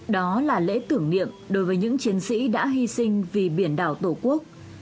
đó là lễ tưởng niệm đối với những chiến sĩ đã hy sinh vì biển đảo tổ quốc